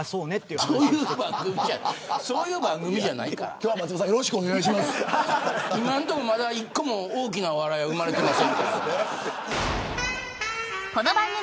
今のところ、まだ１つも大きな笑いは生まれてない。